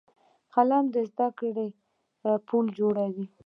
قلم د زده کړې پل جوړوي